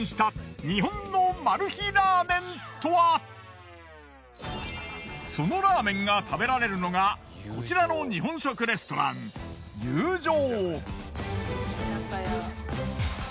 アフリカのそのラーメンが食べられるのがこちらの日本食レストランＹＵＪＯ。